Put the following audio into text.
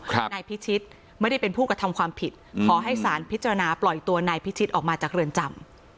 นายพิชิตไม่ได้เป็นผู้กระทำความผิดขอให้สารพิจารณาปล่อยตัวนายพิชิตออกมาจากเรือนจำ